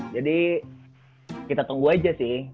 jadi kita tunggu aja sih